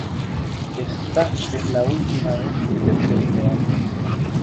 Está es la última vez que te presto algo.